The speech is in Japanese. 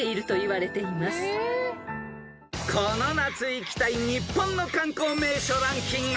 ［この夏行きたい日本の観光名所ランキング］